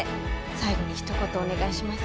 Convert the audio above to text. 最後にひと言お願いします。